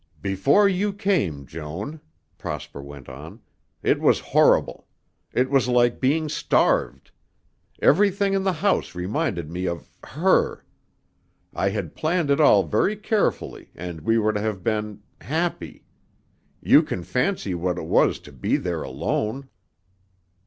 "Before you came, Joan," Prosper went on, "it was horrible. It was like being starved. Every thing in the house reminded me of her. I had planned it all very carefully and we were to have been happy. You can fancy what it was to be there alone."